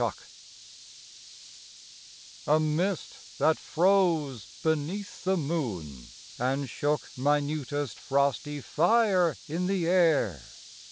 COLD A mist that froze beneath the moon and shook Minutest frosty fire in the air.